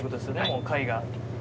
もう貝が。